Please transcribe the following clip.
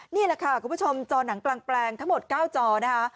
นี่แหละค่ะคุณผู้ชมจอหนังกลางแปลงทั้งหมด๙จอนะคะ